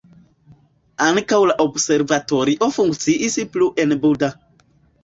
Ankaŭ la observatorio funkciis plu en Buda.